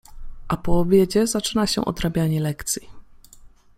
A po obiedzie zaczyna się odrabianie lekcji.